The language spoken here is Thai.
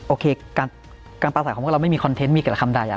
โอเคการประสัยของเราไม่มีคอนเทนต์มีกระทำใด